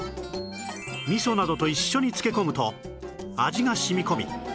味噌などと一緒に漬け込むと味が染み込み